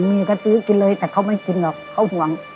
แม่ก็ซื้อกินเลยแต่เขาไม่กินหรอกเขาห่วง